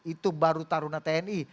itu baru taruna tni